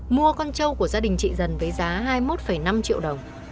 mua con trâu của gia đình trị dân với giá hai mươi một năm triệu đồng